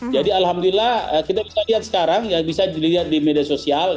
jadi alhamdulillah kita bisa lihat sekarang bisa dilihat di media sosial